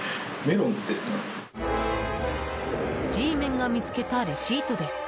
Ｇメンが見つけたレシートです。